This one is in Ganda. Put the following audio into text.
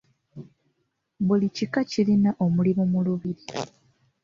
Buli kika kirina omulimu mu lubiri.